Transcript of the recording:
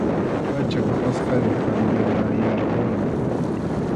Pʼachan apasqaywan cambianayarquni.